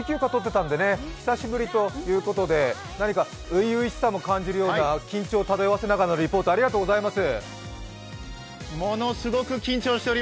若狭さんは育児休暇取ってたんで久しぶりという感じで何か初々しさも感じるような緊張を漂わせながらのリポート、ありがとうございます。